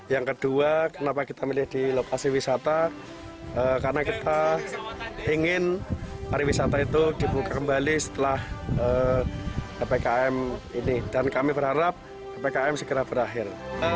yang kedua kenapa kita milih di lokasi wisata karena kita ingin pariwisata itu dibuka kembali setelah ppkm ini dan kami berharap ppkm segera berakhir